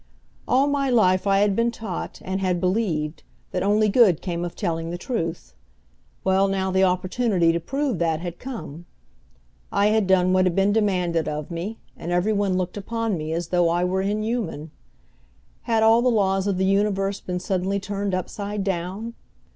All my life I had been taught, and had believed, that only good came of telling the truth. Well, now the opportunity to prove that had come. I had done what had been demanded of me, and every one looked upon me as though I were inhuman. Had all the laws of the universe been suddenly turned upside down?